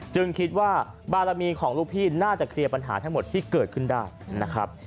คิดว่าบารมีของลูกพี่น่าจะเคลียร์ปัญหาทั้งหมดที่เกิดขึ้นได้นะครับ